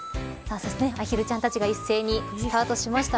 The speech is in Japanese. アヒルちゃんたちが一斉にスタートしました。